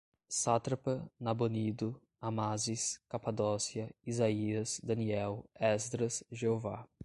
Sátrapa, Nabonido, Amásis, Capadócia, Isaías, Daniel, Esdras, Jeová